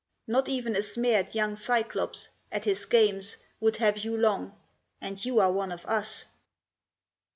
Not even a smeared young Cyclops at his games Would have you long, and you are one of us.